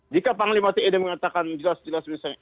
jika panglima tni sudah mengatakan jelas jelas menurut saya